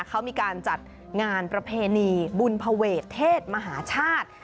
เขามีการจัดงานประเพณีบุญภเวทเทศมหาชาติ